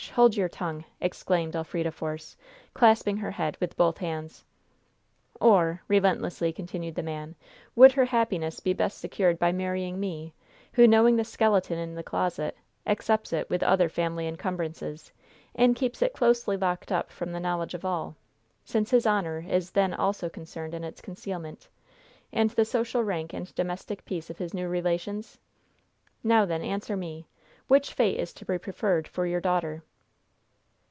hold your tongue!" exclaimed Elfrida Force, clasping her head with both hands. "Or," relentlessly continued the man, "would her happiness be best secured by marrying me, who, knowing the skeleton in the closet, accepts it with other family incumbrances, and keeps it closely locked up from the knowledge of all, since his honor is then also concerned in its concealment, and in the social rank and domestic peace of his new relations? Now, then, answer me. Which fate is to be preferred for your daughter?"